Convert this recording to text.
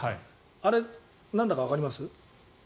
あれ、なんだかわかります？